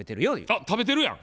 あっ食べてるやん。